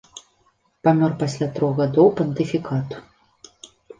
Памёр пасля трох гадоў пантыфікату.